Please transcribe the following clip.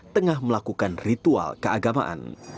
tengah melakukan ritual keagamaan